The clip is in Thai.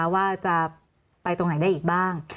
ว่าจะไปตรงไหนได้อีกบ้าง